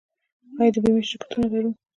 آیا د بیمې شرکتونه لرو؟